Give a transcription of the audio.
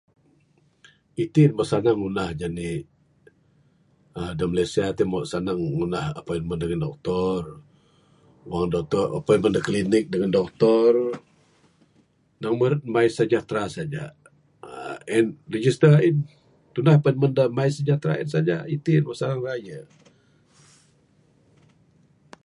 Iti ne masu sanang ngundah jani', uhh da Malaysia ti' moh senang ngundah appointment dengan doktor. Wang doktor appointment da klinik dengan doktor, nan meret da My Sejahtera saja. En, register a'in. Tundah appoitment da My Sejahtera en saja. Iti' moh senang rayu.